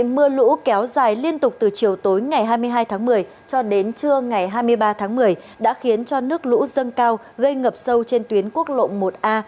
mưa lũ kéo dài liên tục từ chiều tối ngày hai mươi hai tháng một mươi cho đến trưa ngày hai mươi ba tháng một mươi đã khiến cho nước lũ dâng cao gây ngập sâu trên tuyến quốc lộ một a